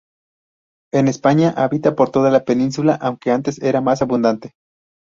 En España habita por toda la península, aunque antes era más abundante.